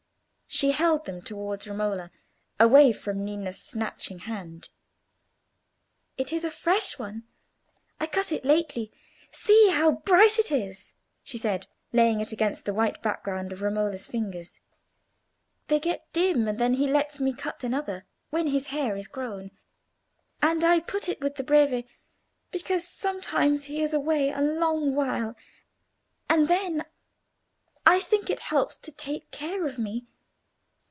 She held them towards Romola, away from Ninna's snatching hand. "It is a fresh one. I cut it lately. See how bright it is!" she said, laying it against the white background of Romola's fingers. "They get dim, and then he lets me cut another when his hair is grown; and I put it with the Breve, because sometimes he is away a long while, and then I think it helps to take care of me."